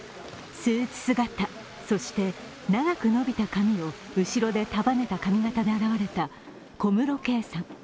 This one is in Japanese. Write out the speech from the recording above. スーツ姿、そして長く伸びた髪を後ろで束ねた髪形で現れた小室圭さん。